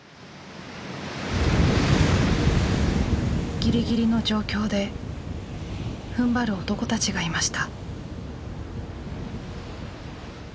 ぎりぎりの状況でふんばる男たちがいました。